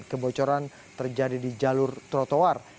kebocoran terjadi di jalur trotoar